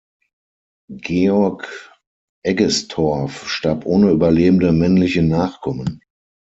Georg Egestorff starb ohne überlebende männliche Nachkommen.